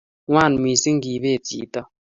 ng'wan mising kebeet chito